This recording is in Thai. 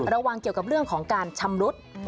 ระวังเกี่ยวกับเรื่องของการชำรุด